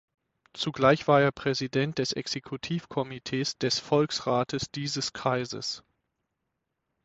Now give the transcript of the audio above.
Zugleich war er Präsident des Exekutivkomitees des Volksrates dieses Kreises.